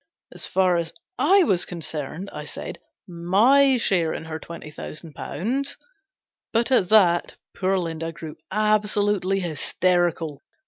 As far as 7 was concerned, I said, my share in her twenty thousand pounds But at that poor Linda grew absolutely hysterical.